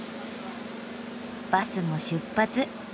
バスも出発。